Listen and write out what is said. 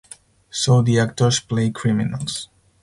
So the actors play criminals.